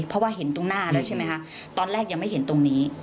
เพราะว่าเห็นตรงหน้าแล้วใช่ไหมคะตอนแรกยังไม่เห็นตรงนี้